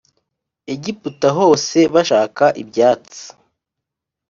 egiputa hose bashaka ibyatsi.